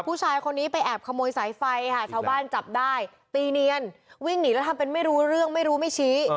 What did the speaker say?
ผู้ชายคนนี้ไปแอบขโมยสายไฟค่ะชาวบ้านจับได้ตีเนียนวิ่งหนีแล้วทำเป็นไม่รู้เรื่องไม่รู้ไม่ชี้